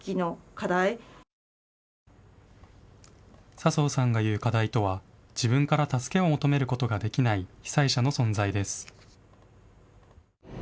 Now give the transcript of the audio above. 笹生さんが言う課題とは自分から助けを求めることができない被災者の存在です。